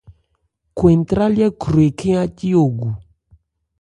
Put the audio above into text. Khwɛn ntrályɛ́ khwre khɛ́n ácí ogu.